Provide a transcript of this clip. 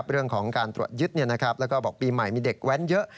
เรื่องของการตรวจยึดแล้วก็บอกปีใหม่มีเด็กแว้นเยอะ